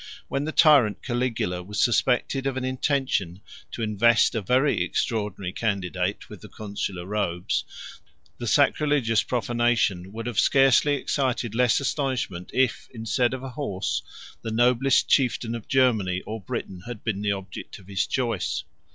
140 When the tyrant Caligula was suspected of an intention to invest a very extraordinary candidate with the consular robes, the sacrilegious profanation would have scarcely excited less astonishment, if, instead of a horse, the noblest chieftain of Germany or Britain had been the object of his choice.